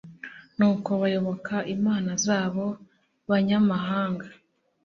nuko bayoboka imana z'abo banyamahanga